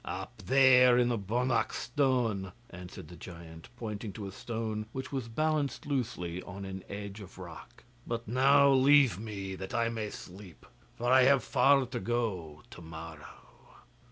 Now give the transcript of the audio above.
'Up there, in the Bonnach stone,' answered the giant, pointing to a stone which was balanced loosely on an edge of rock. 'But now leave me, that I may sleep, for I have far to go to morrow.